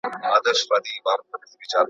پیچکارۍ چيري لګول کیږي؟